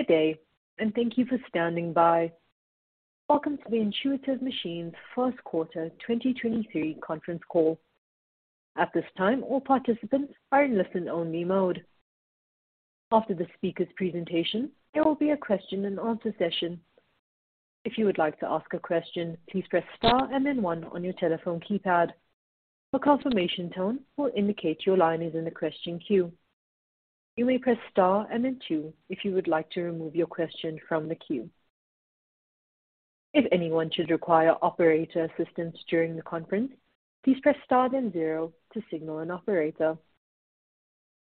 Good day. Thank you for standing by. Welcome to the Intuitive Machines Q1 2023 conference call. At this time, all participants are in listen only mode. After the speaker's presentation, there will be a question and answer session. If you would like to ask a question, please press star and then one on your telephone keypad. A confirmation tone will indicate your line is in the question queue. You may press star and then two if you would like e to remove your question from the queue. If anyone should require operator assistance during the conference, please press star then zero to signal an operator.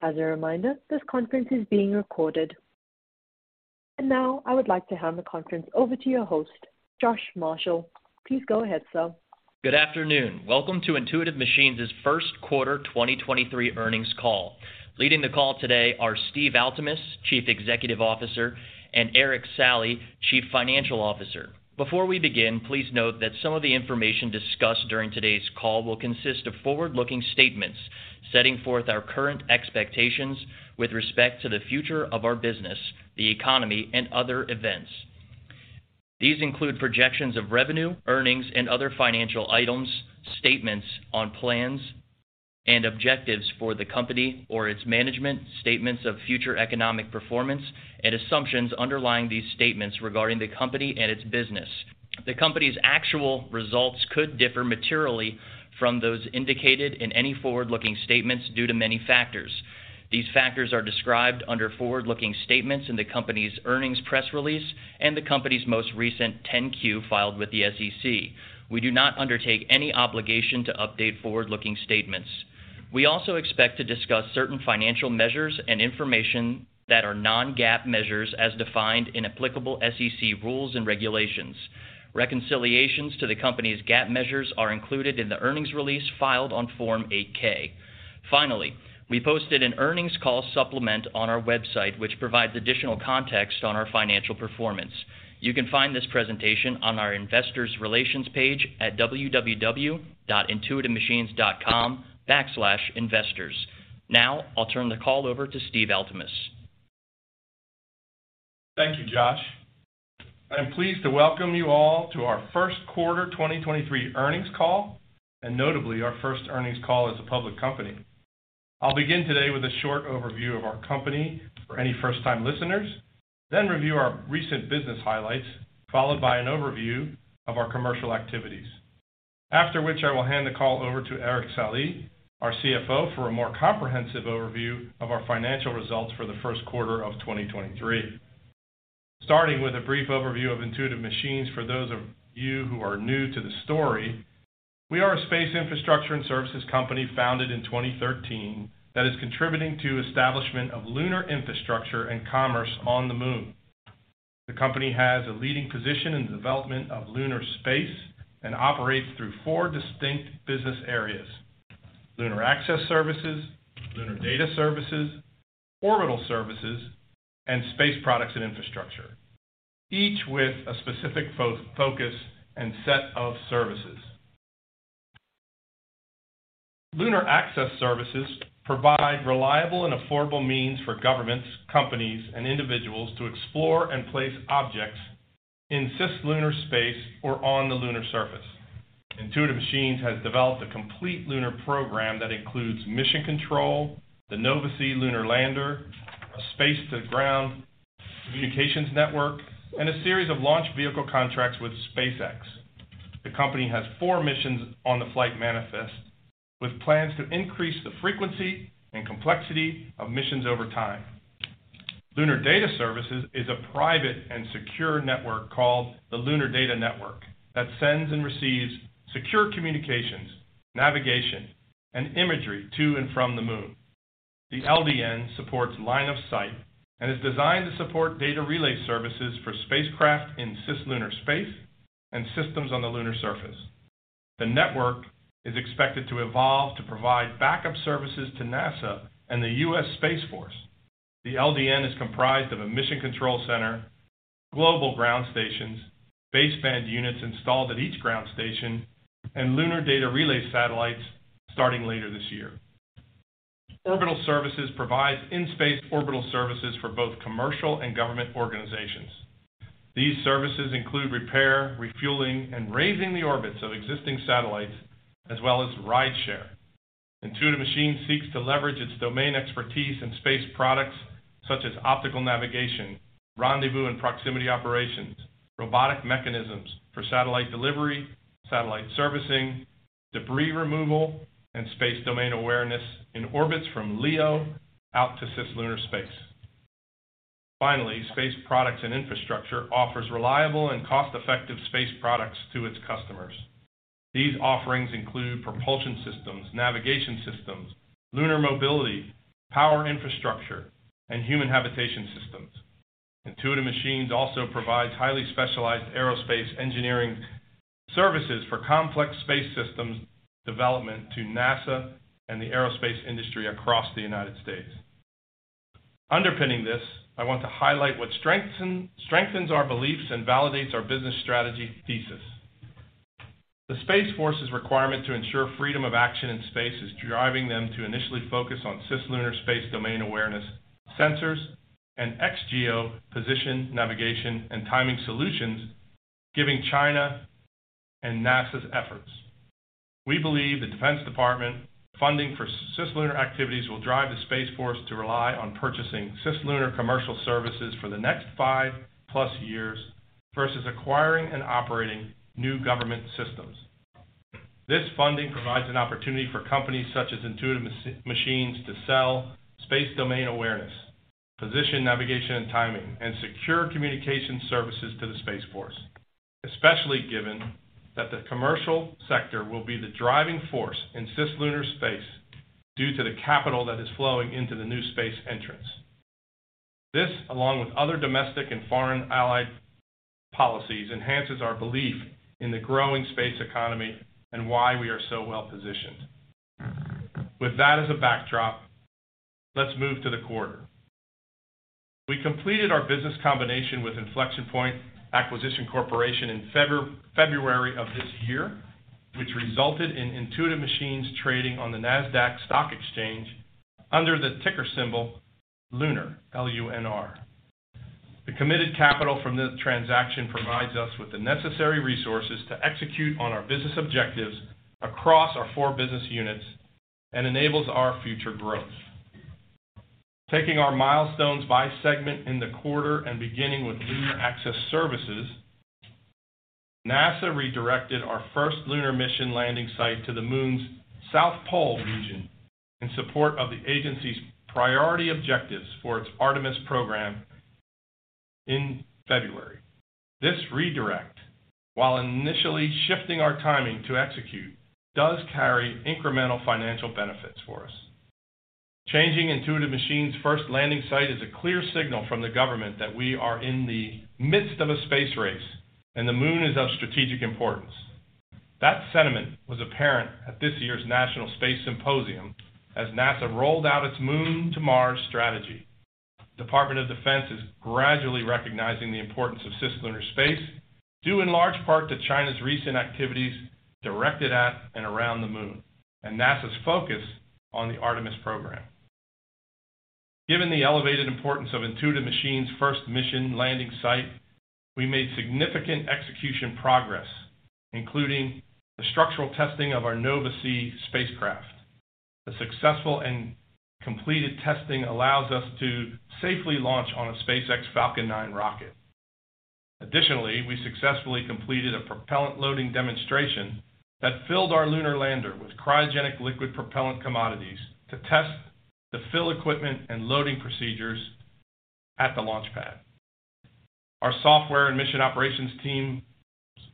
As a reminder, this conference is being recorded. Now I would like to hand the conference over to your host, Josh Marshall. Please go ahead, sir. Good afternoon. Welcome to Intuitive Machines's Q1 2023 earnings call. Leading the call today are Stephen Altemus, Chief Executive Officer, and Erik Sallee, Chief Financial Officer. Before we begin, please note that some of the information discussed during today's call will consist of forward-looking statements setting forth our current expectations with respect to the future of our business, the economy, and other events. These include projections of revenue, earnings and other financial items, statements on plans and objectives for the company or its management, statements of future economic performance and assumptions underlying these statements regarding the company and its business. The company's actual results could differ materially from those indicated in any forward-looking statements due to many factors. These factors are described under forward-looking statements in the company's earnings press release and the company's most recent Form 10-Q filed with the SEC. We do not undertake any obligation to update forward-looking statements. We also expect to discuss certain financial measures and information that are non-GAAP measures as defined in applicable SEC rules and regulations. Reconciliations to the company's GAAP measures are included in the earnings release filed on Form 8-K. Finally, we posted an earnings call supplement on our website, which provides additional context on our financial performance. You can find this presentation on our investor's relations page at www.intuitivemachines.com/investors. Now, I'll turn the call over to Stephen Altemus. Thank you, Josh. I am pleased to welcome you all to our Q1 2023 earnings call, and notably our first earnings call as a public company. I'll begin today with a short overview of our company for any first-time listeners, then review our recent business highlights, followed by an overview of our commercial activities. After which I will hand the call over to Erik Sallee, our CFO, for a more comprehensive overview of our financial results for the Q1 of 2023. Starting with a brief overview of Intuitive Machines for those of you who are new to the story. We are a space infrastructure and services company founded in 2013 that is contributing to establishment of lunar infrastructure and commerce on the Moon. The company has a leading position in the development of lunar space and operates through 4 distinct business areas: lunar access services, lunar data services, orbital services, and space products and infrastructure, each with a specific focus and set of services. Lunar access services provide reliable and affordable means for governments, companies, and individuals to explore and place objects in cislunar space or on the lunar surface. Intuitive Machines has developed a complete lunar program that includes mission control, the Nova-C lunar lander, a space to ground communications network, and a series of launch vehicle contracts with SpaceX. The company has 4 missions on the flight manifest, with plans to increase the frequency and complexity of missions over time. Lunar Data Services is a private and secure network called the Lunar Data Network that sends and receives secure communications, navigation, and imagery to and from the Moon. The LDN supports line of sight and is designed to support data relay services for spacecraft in cislunar space and systems on the lunar surface. The network is expected to evolve to provide backup services to NASA and the U.S. Space Force. The LDN is comprised of a mission control center, global ground stations, base band units installed at each ground station, and lunar data relay satellites starting later this year. Orbital Services provides in-space orbital services for both commercial and government organizations. These services include repair, refueling, and raising the orbits of existing satellites, as well as rideshare. Intuitive Machines seeks to leverage its domain expertise in space products such as optical navigation, rendezvous and proximity operations, robotic mechanisms for satellite delivery, satellite servicing, debris removal, and space domain awareness in orbits from LEO out to cislunar space. Finally, Space Products and Infrastructure offers reliable and cost-effective space products to its customers. These offerings include propulsion systems, navigation systems, lunar mobility, power infrastructure, and human habitation systems. Intuitive Machines also provides highly specialized aerospace engineering services for complex space systems development to NASA and the aerospace industry across the U.S. Underpinning this, I want to highlight what strengthens our beliefs and validates our business strategy thesis. The Space Force's requirement to ensure freedom of action in space is driving them to initially focus on cislunar space domain awareness sensors and ex-GEO position, navigation, and timing solutions, giving China and NASA's efforts. We believe the Defense Department funding for cislunar activities will drive the Space Force to rely on purchasing cislunar commercial services for the next five-plus years versus acquiring and operating new government systems. This funding provides an opportunity for companies such as Intuitive Machines to sell space domain awareness, position navigation and timing, and secure communication services to the Space Force, especially given that the commercial sector will be the driving force in cislunar space due to the capital that is flowing into the new space entrants. This, along with other domestic and foreign allied policies, enhances our belief in the growing space economy and why we are so well-positioned. With that as a backdrop, let's move to the quarter. We completed our business combination with Inflection Point Acquisition Corp in February of this year, which resulted in Intuitive Machines trading on the Nasdaq Stock Exchange under the ticker symbol LUNR, L-U-N-R. The committed capital from this transaction provides us with the necessary resources to execute on our business objectives across our four business units and enables our future growth. Taking our milestones by segment in the quarter and beginning with lunar access services, NASA redirected our first lunar mission landing site to the Moon's South Pole region in support of the agency's priority objectives for its Artemis program in February. This redirect, while initially shifting our timing to execute, does carry incremental financial benefits for us. Changing Intuitive Machines' first landing site is a clear signal from the government that we are in the midst of a space race, and the Moon is of strategic importance. That sentiment was apparent at this year's National Space Symposium as NASA rolled out its Moon to Mars strategy. Department of Defense is gradually recognizing the importance of cislunar space, due in large part to China's recent activities directed at and around the Moon, and NASA's focus on the Artemis program. Given the elevated importance of Intuitive Machines' first mission landing site, we made significant execution progress, including the structural testing of our Nova-C spacecraft. The successful and completed testing allows us to safely launch on a SpaceX Falcon 9 rocket. Additionally, we successfully completed a propellant loading demonstration that filled our lunar lander with cryogenic liquid propellant commodities to test the fill equipment and loading procedures at the launch pad. Our software and mission operations teams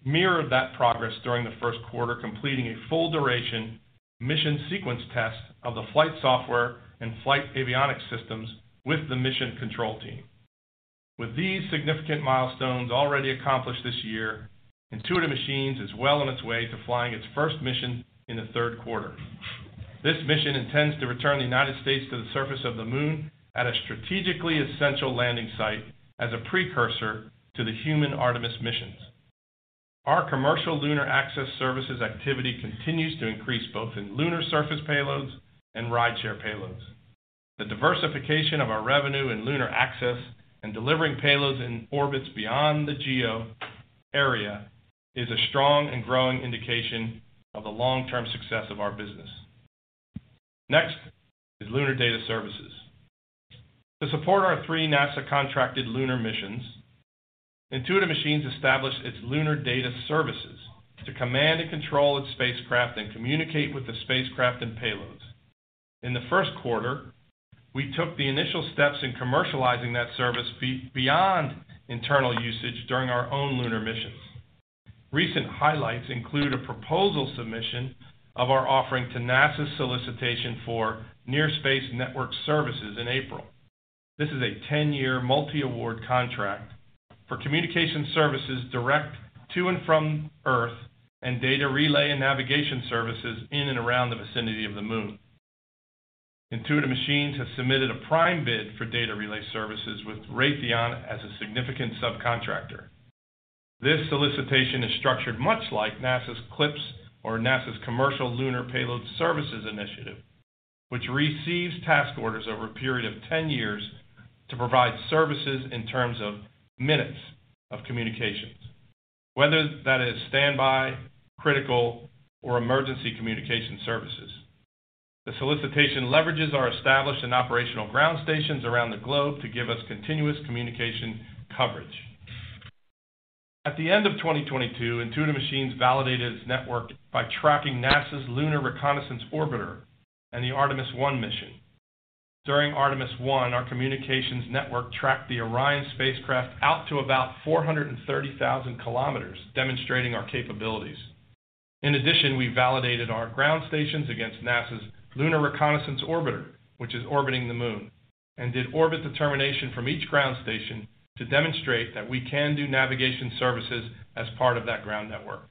mirrored that progress during the Q1, completing a full-duration mission sequence test of the flight software and flight avionics systems with the mission control team. With these significant milestones already accomplished this year, Intuitive Machines is well on its way to flying its first mission in the Q3. This mission intends to return the United States to the surface of the moon at a strategically essential landing site as a precursor to the human Artemis missions. Our commercial lunar access services activity continues to increase both in lunar surface payloads and rideshare payloads. The diversification of our revenue in lunar access and delivering payloads in orbits beyond the geo area is a strong and growing indication of the long-term success of our business. Next is lunar data services. To support our 3 NASA-contracted lunar missions, Intuitive Machines established its lunar data services to command and control its spacecraft and communicate with the spacecraft and payloads. In the Q1, we took the initial steps in commercializing that service beyond internal usage during our own lunar missions. Recent highlights include a proposal submission of our offering to NASA's solicitation for Near Space Network Services in April. This is a 10-year multi-award contract for communication services direct to and from Earth and data relay and navigation services in and around the vicinity of the Moon. Intuitive Machines has submitted a prime bid for data relay services with Raytheon as a significant subcontractor. This solicitation is structured much like NASA's CLPS or NASA's Commercial Lunar Payload Services initiative, which receives task orders over a period of 10 years to provide services in terms of minutes of communications, whether that is standby, critical, or emergency communication services. The solicitation leverages our established and operational ground stations around the globe to give us continuous communication coverage. At the end of 2022, Intuitive Machines validated its network by tracking NASA's Lunar Reconnaissance Orbiter and the Artemis I mission. During Artemis I, our communications network tracked the Orion spacecraft out to about 430,000 kms, demonstrating our capabilities. In addition, we validated our ground stations against NASA's Lunar Reconnaissance Orbiter, which is orbiting the Moon, and did orbit determination from each ground station to demonstrate that we can do navigation services as part of that ground network.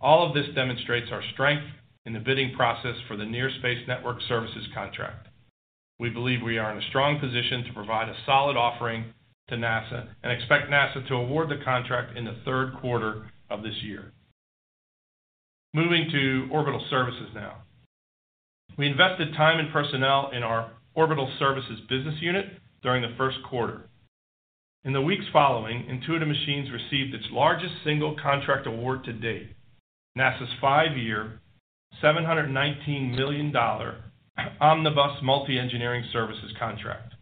All of this demonstrates our strength in the bidding process for the Near Space Network Services contract. We believe we are in a strong position to provide a solid offering to NASA and expect NASA to award the contract in the Q3 of this year. Moving to orbital services now. We invested time and personnel in our orbital services business unit during the Q1. In the weeks following, Intuitive Machines received its largest single contract award to date, NASA's 5-year, $719 million Omnibus Multidiscipline Engineering Services contract.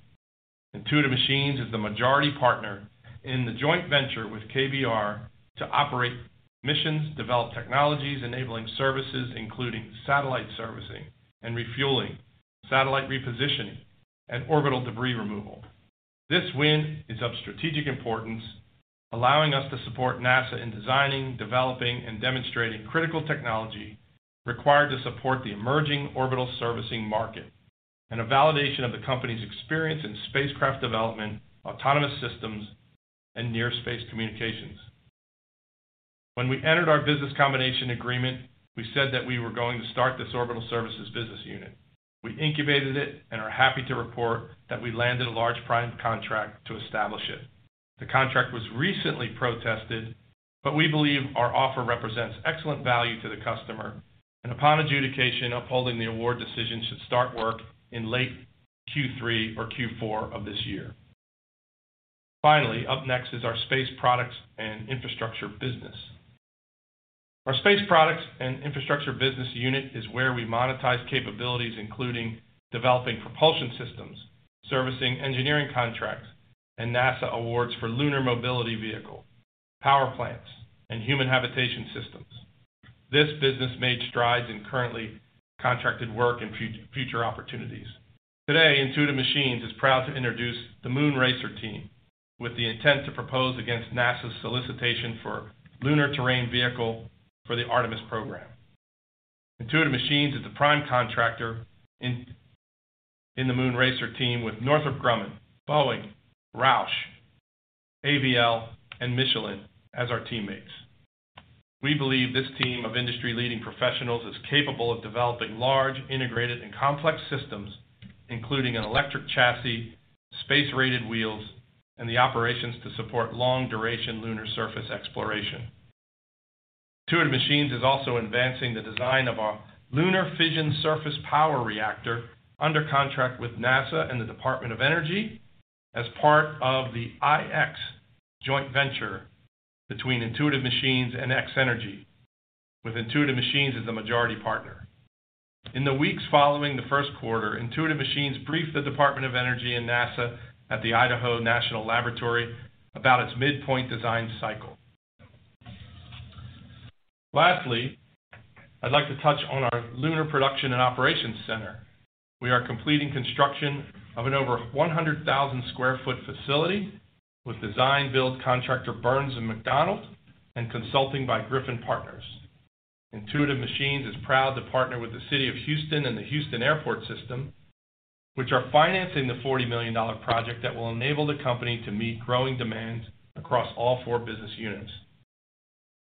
Intuitive Machines is the majority partner in the joint venture with KBR to operate missions, develop technologies, enabling services, including satellite servicing and refueling, satellite repositioning, and orbital debris removal. This win is of strategic importance, allowing us to support NASA in designing, developing, and demonstrating critical technology required to support the emerging orbital servicing market and a validation of the company's experience in spacecraft development, autonomous systems, and near space communications. When we entered our business combination agreement, we said that we were going to start this orbital services business unit. We incubated it and are happy to report that we landed a large prime contract to establish it. The contract was recently protested. We believe our offer represents excellent value to the customer, and upon adjudication, upholding the award decision should start work in late Q3 or Q4 of this year. Up next is our space products and infrastructure business. Our space products and infrastructure business unit is where we monetize capabilities, including developing propulsion systems, servicing engineering contracts, and NASA awards for lunar mobility vehicle, power plants, and human habitation systems. This business made strides in currently contracted work and future opportunities. Today, Intuitive Machines is proud to introduce the Moon RACER team with the intent to propose against NASA's solicitation for Lunar Terrain Vehicle for the Artemis program. Intuitive Machines is the prime contractor in the Moon RACER team with Northrop Grumman, Boeing, Roush, AVL, and Michelin as our teammates. We believe this team of industry-leading professionals is capable of developing large, integrated, and complex systems, including an electric chassis, space-rated wheels, and the operations to support long-duration lunar surface exploration. Intuitive Machines is also advancing the design of a lunar fission surface power reactor under contract with NASA and the U.S. Department of Energy as part of the IX joint venture between Intuitive Machines and X-energy, with Intuitive Machines as the majority partner. In the weeks following the Q1, Intuitive Machines briefed the U.S. Department of Energy and NASA at the Idaho National Laboratory about its midpoint design cycle. Lastly, I'd like to touch on our lunar production and operations center. We are completing construction of an over 100,000 sq ft facility with design build contractor, Burns & McDonnell, and consulting by Griffin Partners. Intuitive Machines is proud to partner with the City of Houston and the Houston Airport System, which are financing the $40 million project that will enable the company to meet growing demands across all four business units.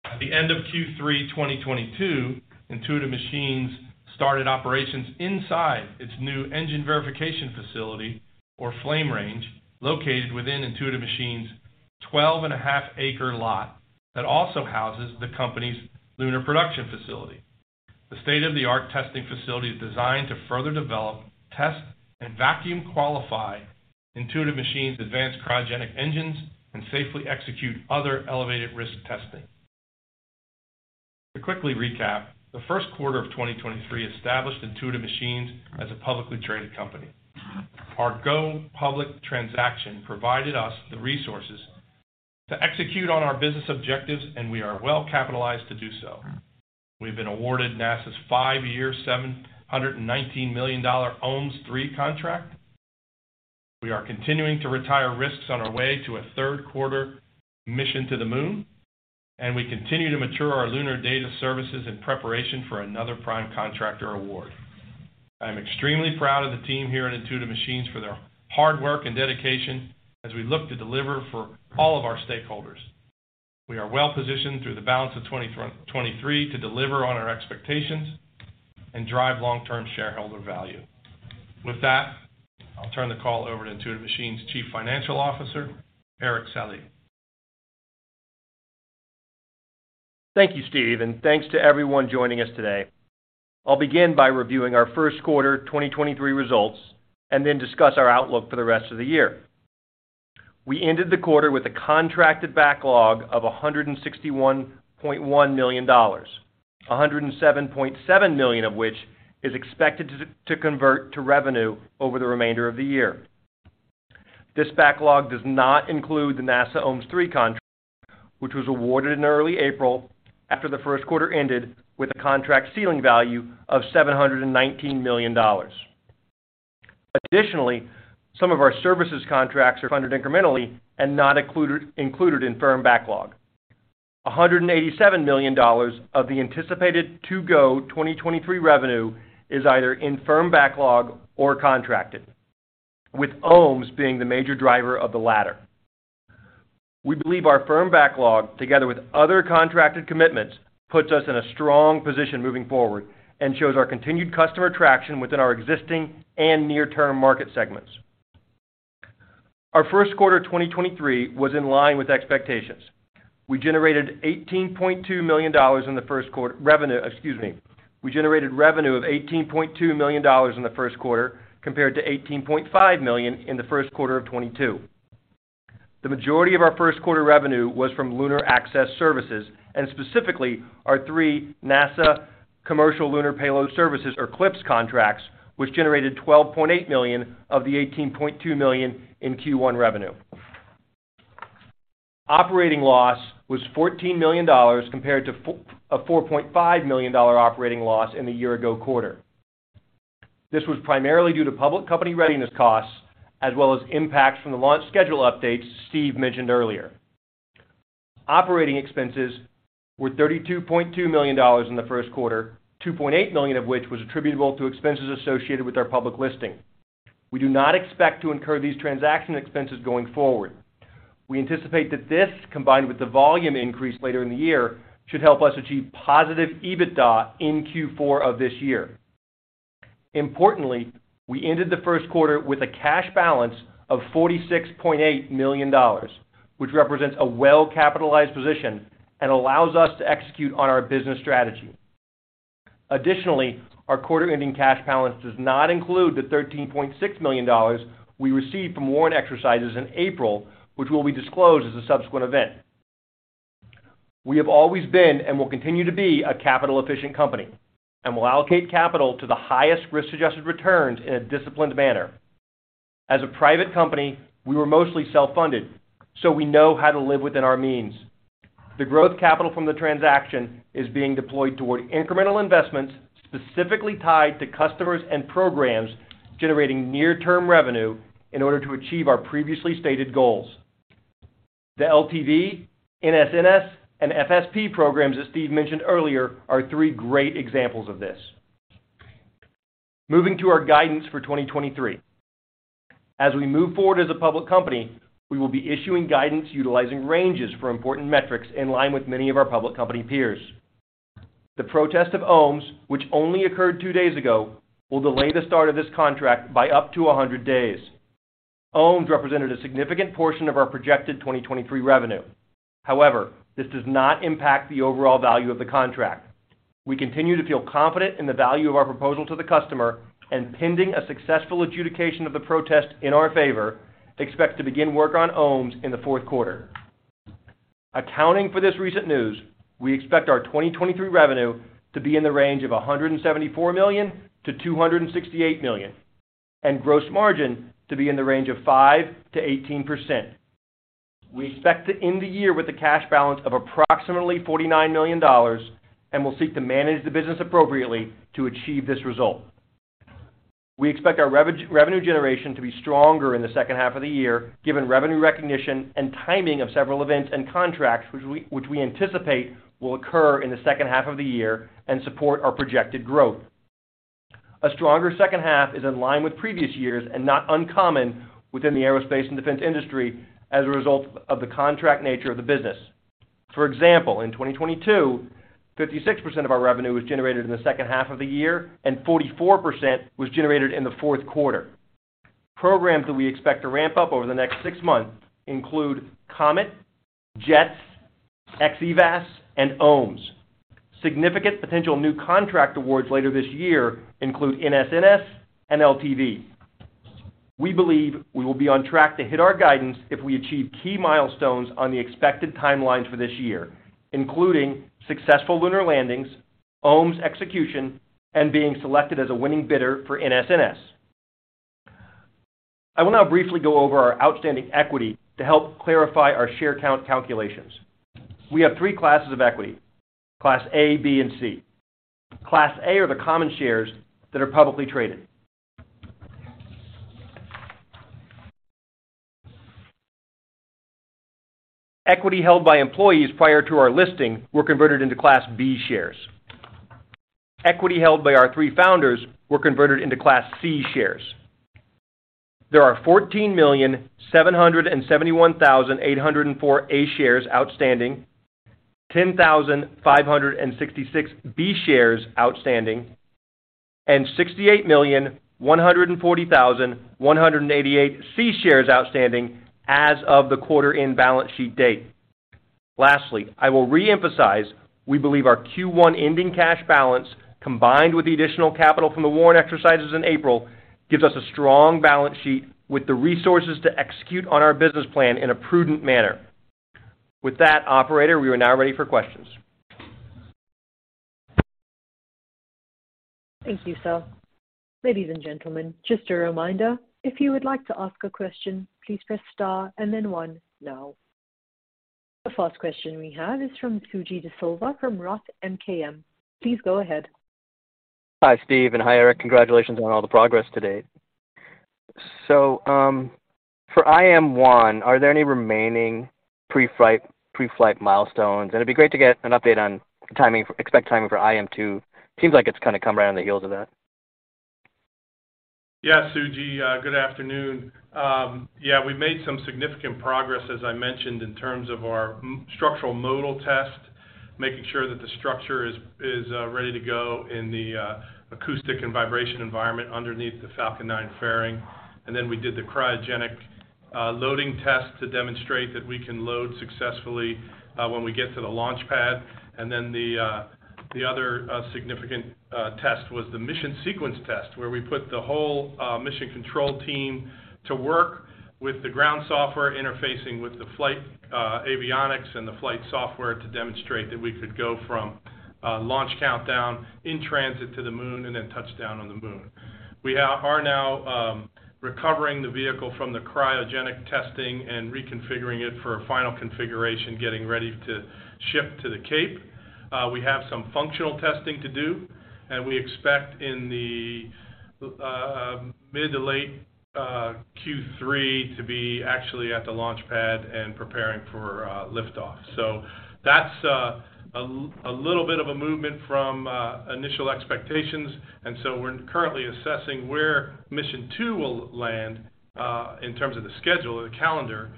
At the end of Q3, 2022, Intuitive Machines started operations inside its new engine verification facility, or flame range, located within Intuitive Machines' 12 and a half acre lot that also houses the company's lunar production facility. The state-of-the-art testing facility is designed to further develop, test, and vacuum qualify Intuitive Machines' advanced cryogenic engines and safely execute other elevated risk testing. To quickly recap, the Q1 of 2023 established Intuitive Machines as a publicly traded company. Our go public transaction provided us the resources to execute on our business objectives, and we are well capitalized to do so. We've been awarded NASA's 5-year, $719 million OMS III contract. We are continuing to retire risks on our way to a third-quarter mission to the Moon, and we continue to mature our lunar data services in preparation for another prime contractor award. I'm extremely proud of the team here at Intuitive Machines for their hard work and dedication as we look to deliver for all of our stakeholders. We are well-positioned through the balance of 2023 to deliver on our expectations and drive long-term shareholder value. With that, I'll turn the call over to Intuitive Machines' Chief Financial Officer, Erik Sallee. Thank you, Steve. Thanks to everyone joining us today. I'll begin by reviewing our Q1 2023 results and then discuss our outlook for the rest of the year. We ended the quarter with a contracted backlog of $161.1 million, $107.7 million of which is expected to convert to revenue over the remainder of the year. This backlog does not include the NASA OMS-03 contract, which was awarded in early April after the Q1 ended with a contract ceiling value of $719 million. Additionally, some of our services contracts are funded incrementally and not included in firm backlog. $187 million of the anticipated to-go 2023 revenue is either in firm backlog or contracted, with OMS being the major driver of the latter. We believe our firm backlog, together with other contracted commitments, puts us in a strong position moving forward and shows our continued customer traction within our existing and near-term market segments. Our Q1 2023 was in line with expectations. We generated $18.2 million in the Q1 revenue, excuse me. We generated revenue of $18.2 million in the Q1 compared to $18.5 million in the Q1 of 2022. The majority of our Q1 revenue was from lunar access services and specifically our 3 NASA Commercial Lunar Payload Services, or CLPS contracts, which generated $12.8 million of the $18.2 million in Q1 revenue. Operating loss was $14 million compared to a $4.5 million operating loss in the year-ago quarter. This was primarily due to public company readiness costs as well as impacts from the launch schedule updates Steve mentioned earlier. Operating expenses were $32.2 million in the Q1, $2.8 million of which was attributable to expenses associated with our public listing. We do not expect to incur these transaction expenses going forward. We anticipate that this, combined with the volume increase later in the year, should help us achieve positive EBITDA in Q4 of this year. Importantly, we ended the Q1 with a cash balance of $46.8 million, which represents a well-capitalized position and allows us to execute on our business strategy. Additionally, our quarter-ending cash balance does not include the $13.6 million we received from warrant exercises in April, which will be disclosed as a subsequent event. We have always been and will continue to be a capital-efficient company and will allocate capital to the highest risk-adjusted returns in a disciplined manner. As a private company, we were mostly self-funded, so we know how to live within our means. The growth capital from the transaction is being deployed toward incremental investments, specifically tied to customers and programs generating near-term revenue in order to achieve our previously stated goals. The LTV, NSNS, and FSP programs, as Steve mentioned earlier, are three great examples of this. Moving to our guidance for 2023. As we move forward as a public company, we will be issuing guidance utilizing ranges for important metrics in line with many of our public company peers. The protest of OMES III, which only occurred two days ago, will delay the start of this contract by up to 100 days. OMES III represented a significant portion of our projected 2023 revenue. However, this does not impact the overall value of the contract. We continue to feel confident in the value of our proposal to the customer and, pending a successful adjudication of the protest in our favor, expect to begin work on OMES III in the Q4. Accounting for this recent news, we expect our 2023 revenue to be in the range of $174 million-$268 million and gross margin to be in the range of 5%-18%. We expect to end the year with a cash balance of approximately $49 million dollars and will seek to manage the business appropriately to achieve this result. We expect our revenue generation to be stronger in the second half of the year, given revenue recognition and timing of several events and contracts which we anticipate will occur in the second half of the year and support our projected growth. A stronger second half is in line with previous years and not uncommon within the aerospace and defense industry as a result of the contract nature of the business. For example, in 2022, 56% of our revenue was generated in the second half of the year and 44% was generated in the Q4. Programs that we expect to ramp up over the next six months include COMET, JETS, XEVAS, and OMES. Significant potential new contract awards later this year include NSNS and LTV. We believe we will be on track to hit our guidance if we achieve key milestones on the expected timelines for this year, including successful lunar landings, OMES execution, and being selected as a winning bidder for NSNS. I will now briefly go over our outstanding equity to help clarify our share count calculations. We have three classes of equity, Class A, B, and C. Class A are the common shares that are publicly traded. Equity held by employees prior to our listing were converted into Class B shares. Equity held by our three founders were converted into Class C shares. There are 14,771,804 A shares outstanding, 10,566 B shares outstanding, and 68,140,188 C shares outstanding as of the quarter end balance sheet date. Lastly, I will reemphasize we believe our Q1 ending cash balance, combined with the additional capital from the warrant exercises in April, gives us a strong balance sheet with the resources to execute on our business plan in a prudent manner. With that, operator, we are now ready for questions. Thank you, sir. Ladies and gentlemen, just a reminder, if you would like to ask a question, please press star and then one now. The first question we have is from Suji DeSilva from Roth MKM. Please go ahead. Hi, Steve, and hi, Eric. Congratulations on all the progress to date. For IM-1, are there any remaining pre-flight milestones? It'd be great to get an update on the expect timing for IM-2. Seems like it's kind of come right on the heels of that. Suji, good afternoon. We made some significant progress, as I mentioned, in terms of our structural modal test, making sure that the structure is ready to go in the acoustic and vibration environment underneath the Falcon 9 fairing. We did the cryogenic loading test to demonstrate that we can load successfully when we get to the launch pad. The other significant test was the mission sequence test, where we put the whole mission control team to work with the ground software interfacing with the flight avionics and the flight software to demonstrate that we could go from launch countdown in transit to the Moon and then touch down on the Moon. We are now recovering the vehicle from the cryogenic testing and reconfiguring it for a final configuration, getting ready to ship to the Cape. We have some functional testing to do, and we expect in the mid to late Q3 to be actually at the launch pad and preparing for liftoff. That's a little bit of a movement from initial expectations. We're currently assessing where mission two will land in terms of the schedule or the calendar.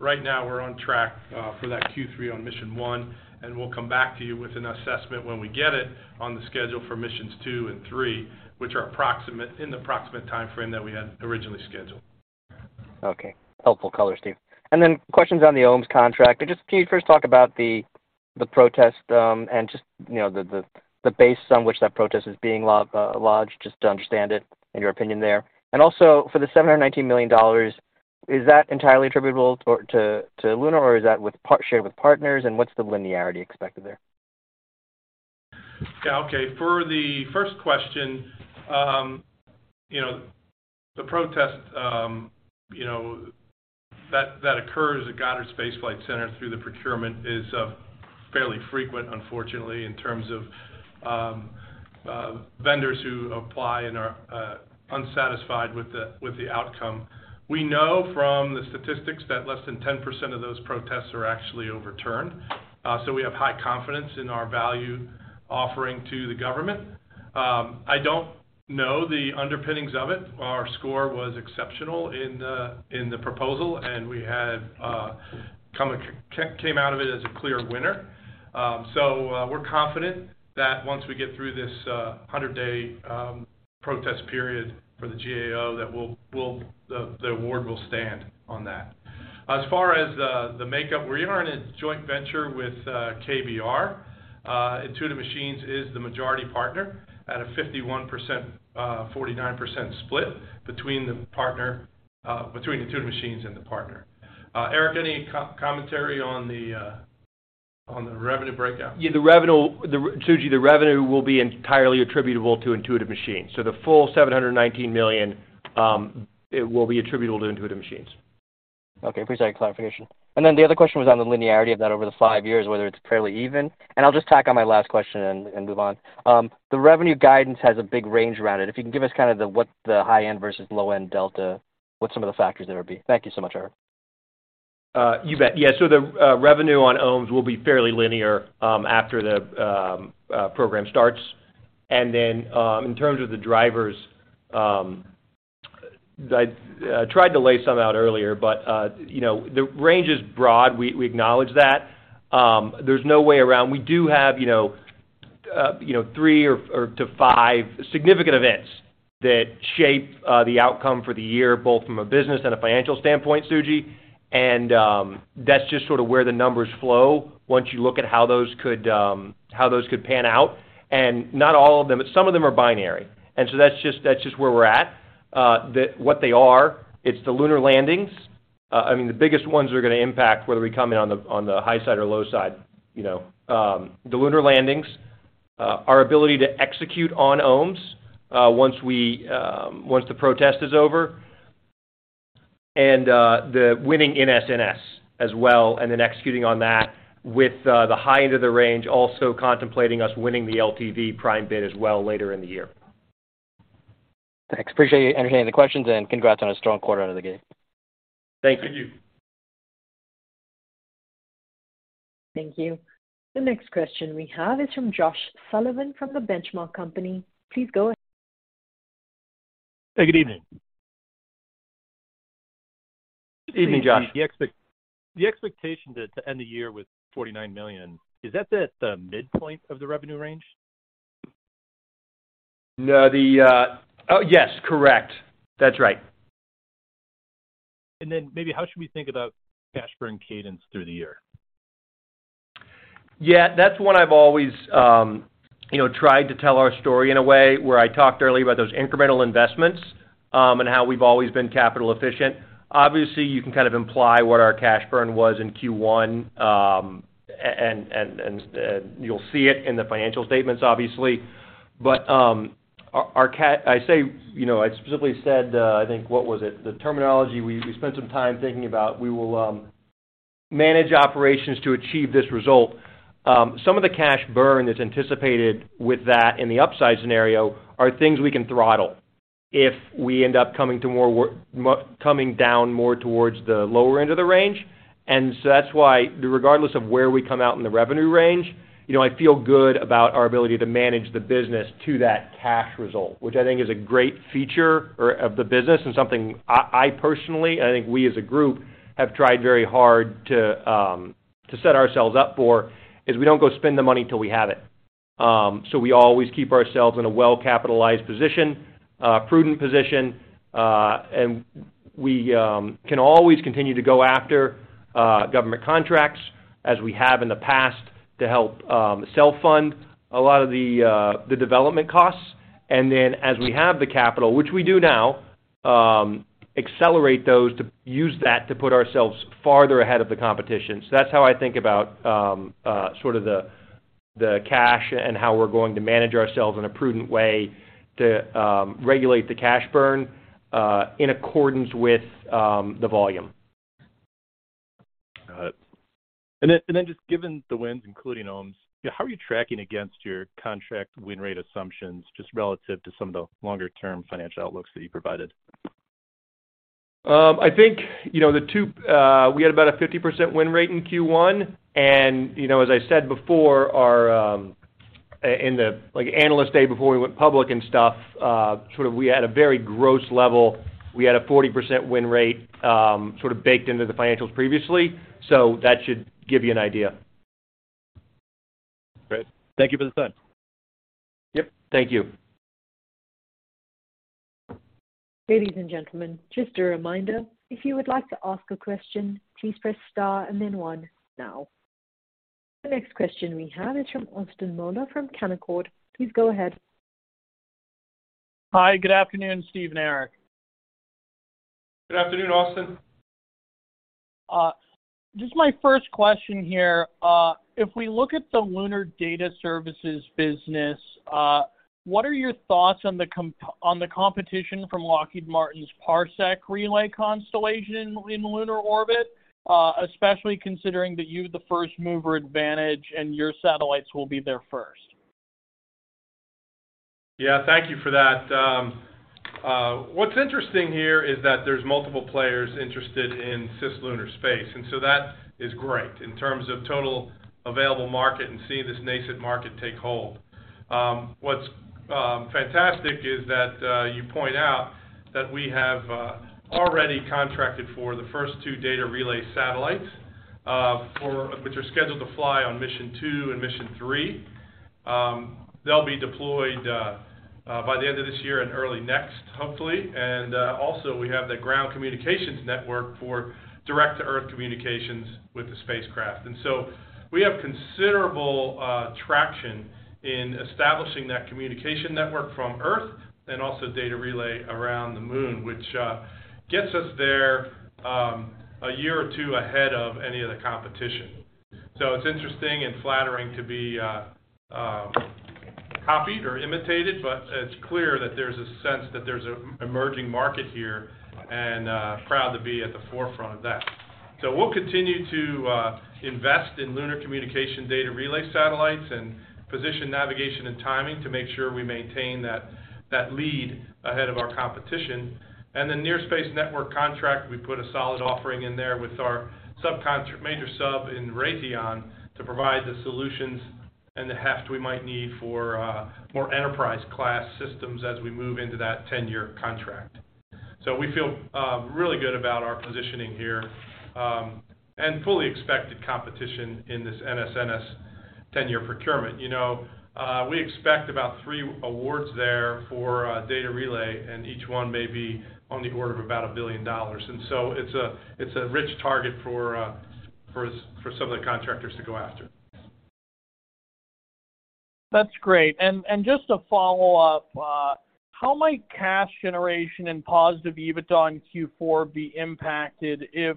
Right now we're on track for that Q3 on mission one, and we'll come back to you with an assessment when we get it on the schedule for missions two and three, which are in the approximate timeframe that we had originally scheduled. Okay. Helpful color, Steve. Questions on the OMES contract. Just can you first talk about the protest, you know, the base on which that protest is being lodged, just to understand it and your opinion there. Also for the $719 million, is that entirely attributable or to Lunar, or is that shared with partners, and what's the linearity expected there? Okay. For the first question, you know, the protest, you know, that occurs at Goddard Space Flight Center through the procurement is fairly frequent, unfortunately, in terms of vendors who apply and are unsatisfied with the outcome. We know from the statistics that less than 10% of those protests are actually overturned. We have high confidence in our value offering to the government. I don't know the underpinnings of it. Our score was exceptional in the proposal, and we had came out of it as a clear winner. We're confident that once we get through this 100-day protest period for the GAO, that we'll the award will stand on that. As far as the makeup, we are in a joint venture with KBR. Intuitive Machines is the majority partner at a 51%, 49% split between the partner, between Intuitive Machines and the partner. Erik, any co-commentary on the revenue breakdown? Yeah, Suji, the revenue will be entirely attributable to Intuitive Machines. The full $719 million, it will be attributable to Intuitive Machines. Okay. Appreciate the clarification. The other question was on the linearity of that over the 5 years, whether it's fairly even. I'll just tack on my last question and move on. The revenue guidance has a big range around it. If you can give us kind of what the high-end versus low-end delta, what some of the factors there would be. Thank you so much, Erik. You bet. Yeah. So the revenue on OMES III will be fairly linear after the program starts. Then, in terms of the drivers, I tried to lay some out earlier, but, you know, the range is broad. We, we acknowledge that. There's no way around. We do have, you know, you know, three or to five significant events that shape the outcome for the year, both from a business and a financial standpoint, Suji. That's just sort of where the numbers flow once you look at how those could, how those could pan out. Not all of them, but some of them are binary. So that's just where we're at. what they are, it's the lunar landings, I mean, the biggest ones that are gonna impact whether we come in on the, on the high side or low side, you know. The lunar landings, our ability to execute on OMES III, once we, once the protest is over, and the winning in NSNS as well, and then executing on that with the high end of the range, also contemplating us winning the LTV prime bid as well later in the year. Thanks. Appreciate you entertaining the questions and congrats on a strong quarter out of the gate. Thank you. Thank you. Thank you. The next question we have is from Josh Sullivan from The Benchmark Company. Please go ahead. Hey, good evening. Good evening, Josh. The expectation to end the year with $49 million, is that the midpoint of the revenue range? No, the... Oh, yes. Correct. That's right. Maybe how should we think about cash burn cadence through the year? Yeah, that's one I've always, you know, tried to tell our story in a way where I talked earlier about those incremental investments and how we've always been capital efficient. Obviously, you can kind of imply what our cash burn was in Q1, and you'll see it in the financial statements, obviously. Our, I say, you know, I specifically said, I think what was it? The terminology we spent some time thinking about, we will Manage operations to achieve this result. Some of the cash burn is anticipated with that in the upside scenario are things we can throttle if we end up coming down more towards the lower end of the range. That's why regardless of where we come out in the revenue range, you know, I feel good about our ability to manage the business to that cash result, which I think is a great feature of the business and something I personally and I think we as a group have tried very hard to set ourselves up for, is we don't go spend the money till we have it. We always keep ourselves in a well-capitalized position, prudent position, and we can always continue to go after government contracts as we have in the past to help self-fund a lot of the development costs. As we have the capital, which we do now, accelerate those to use that to put ourselves farther ahead of the competition. That's how I think about sort of the cash and how we're going to manage ourselves in a prudent way to regulate the cash burn in accordance with the volume. Got it. Just given the wins, including OMES III, how are you tracking against your contract win rate assumptions just relative to some of the longer-term financial outlooks that you provided? I think, you know, we had about a 50% win rate in Q1. You know, as I said before, our, in the, like, analyst day before we went public and stuff, sort of we had a very gross level. We had a 40% win rate, sort of baked into the financials previously. That should give you an idea. Great. Thank you for the time. Yep. Thank you. Ladies and gentlemen, just a reminder, if you would like to ask a question, please press star and then 1 now. The next question we have is from Austin Moeller from Canaccord. Please go ahead. Hi. Good afternoon, Steve and Eric. Good afternoon, Austin. Just my first question here. If we look at the lunar data services business, what are your thoughts on the competition from Lockheed Martin's Parsec relay constellation in lunar orbit, especially considering that you have the first mover advantage and your satellites will be there first? Yeah, thank you for that. What's interesting here is that there's multiple players interested in cislunar space. That is great in terms of total available market and seeing this nascent market take hold. What's fantastic is that you point out that we have already contracted for the first two data relay satellites, which are scheduled to fly on Mission Two and Mission Three. They'll be deployed by the end of this year and early next, hopefully. Also, we have the ground communications network for direct-to-Earth communications with the spacecraft. We have considerable traction in establishing that communication network from Earth and also data relay around the Moon, which gets us there, a year or two ahead of any of the competition. It's interesting and flattering to be copied or imitated, but it's clear that there's a sense that there's an emerging market here and proud to be at the forefront of that. We'll continue to invest in lunar communication data relay satellites and position navigation and timing to make sure we maintain that lead ahead of our competition. The Near Space Network contract, we put a solid offering in there with our subcontract, major sub in Raytheon to provide the solutions and the heft we might need for more enterprise-class systems as we move into that 10-year contract. We feel really good about our positioning here and fully expected competition in this NSNS 10-year procurement. You know, we expect about three awards there for data relay, and each one may be on the order of about $1 billion. It's a rich target for some of the contractors to go after. That's great. Just a follow-up, how might cash generation and positive EBITDA in Q4 be impacted if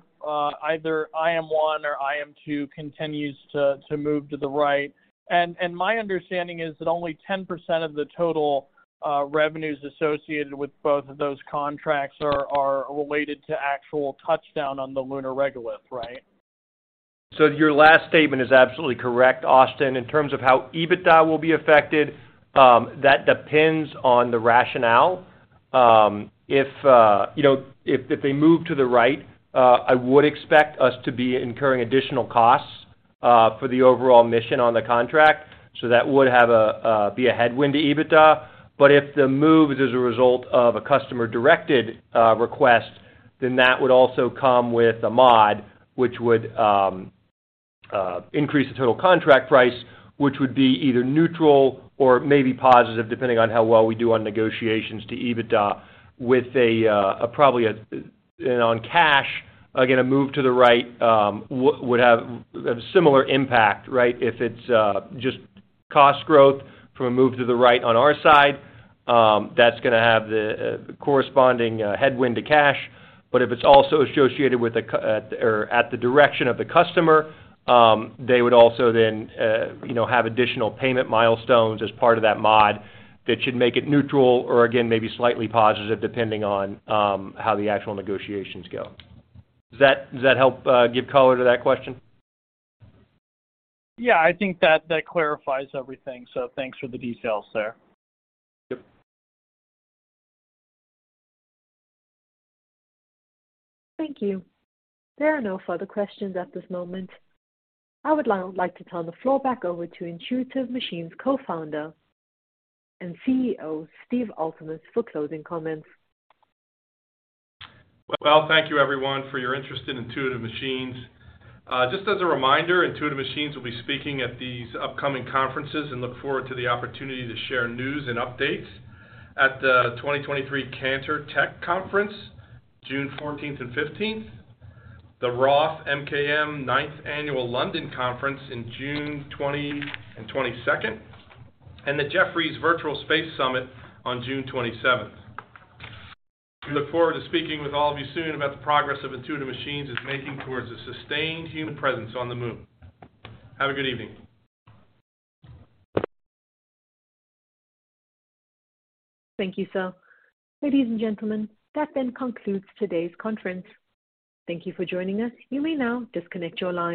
either IM-1 or IM-2 continues to move to the right? My understanding is that only 10% of the total revenues associated with both of those contracts are related to actual touchdown on the lunar regolith, right? Your last statement is absolutely correct, Austin. In terms of how EBITDA will be affected, that depends on the rationale. If, you know, if they move to the right, I would expect us to be incurring additional costs for the overall mission on the contract. That would have a be a headwind to EBITDA. If the move is as a result of a customer-directed request, then that would also come with a mod, which would increase the total contract price, which would be either neutral or maybe positive, depending on how well we do on negotiations to EBITDA with a probably a... On cash, again, a move to the right, would have a similar impact, right? If it's just cost growth from a move to the right on our side, that's gonna have the corresponding headwind to cash. If it's also associated with or at the direction of the customer, they would also then, you know, have additional payment milestones as part of that mod that should make it neutral or again, maybe slightly positive, depending on how the actual negotiations go. Does that help give color to that question? Yeah, I think that clarifies everything, so thanks for the details there. Yep. Thank you. There are no further questions at this moment. I would now like to turn the floor back over to Intuitive Machines Co-founder and CEO Stephen Altemus for closing comments. Thank you everyone for your interest in Intuitive Machines. Just as a reminder, Intuitive Machines will be speaking at these upcoming conferences and look forward to the opportunity to share news and updates. At the 2023 Cantor Technology Conference, June 14th and 15th. The Roth MKM 9th Annual London Conference in June 20th and 22nd. And the Jefferies Virtual Space Summit on June 27th. We look forward to speaking with all of you soon about the progress that Intuitive Machines is making towards a sustained human presence on the Moon. Have a good evening. Thank you, sir. Ladies and gentlemen, that then concludes today's conference. Thank you for joining us. You may now disconnect your line.